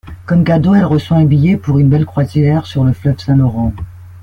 Comme cadeau, elle reçoit un billet pour une belle croisière sur le fleuve Saint-Laurent.